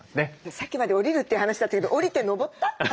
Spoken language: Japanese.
さっきまで下りるという話だったけど下りて上った？